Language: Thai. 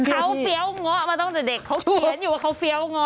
เขาเฟี้ยวง้อมาตั้งแต่เด็กเขาเขียนอยู่ว่าเขาเฟี้ยวง้อ